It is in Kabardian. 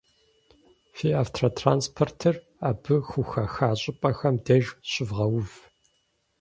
Фи автотранспортыр абы хухэха щӀыпӀэхэм деж щывгъэув.